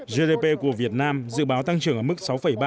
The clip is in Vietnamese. gdp của việt nam dự báo tăng trưởng ở mức sáu ba